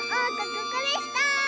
ここでした！